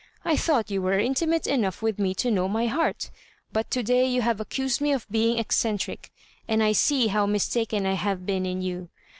I thought you were intimate enough with me to know my heart; but to day you have accused me of being eccentric, and I see how mistaken I have been in you.